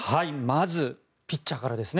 まずピッチャーからですね。